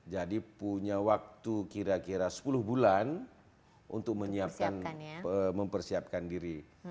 jadi punya waktu kira kira sepuluh bulan untuk mempersiapkan diri